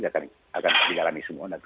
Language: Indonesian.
akan digalami semua